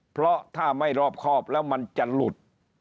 เพราะถ้าไม่รอบครอบแล้วมันจะหลุด